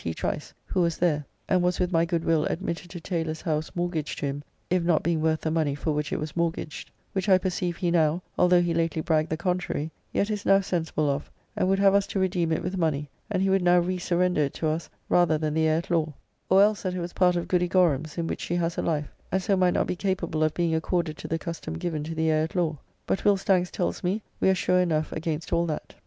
Trice (who was there, and was with my good will admitted to Taylor's house mortgaged to him if not being worth the money for which it was mortgaged, which I perceive he now, although he lately bragged the contrary, yet is now sensible of, and would have us to redeem it with money, and he would now resurrender it to us rather than the heir at law) or else that it was part of Goody Gorum's in which she has a life, and so might not be capable of being according to the custom given to the heir at law, but Will Stanks tells me we are sure enough against all that.